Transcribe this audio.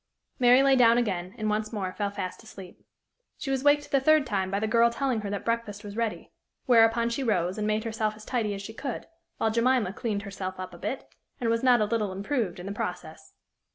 Mary lay down again, and once more fell fast asleep. She was waked the third time by the girl telling her that breakfast was ready; whereupon she rose, and made herself as tidy as she could, while Jemima cleaned herself up a bit, and was not a little improved in the process.